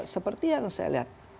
seperti yang saya lihat